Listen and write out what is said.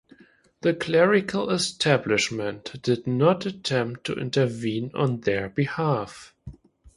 The clerical establishment did not attempt to intervene on their behalf.